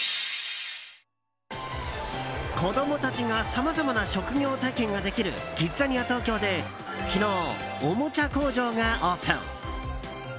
子供たちがさまざまな職業体験ができるキッザニア東京で昨日、おもちゃ工場がオープン。